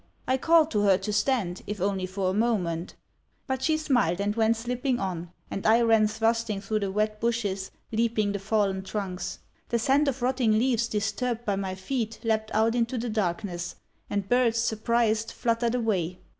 I called to her to stand, if only for one moment. But she smiled and went slip ping on, and I ran thrusting through the wet bushes, leaping the fallen trunks. The scent of rotting leaves disturbed by my feet leaped out into the darkness, and birds, surprised, fluttered away.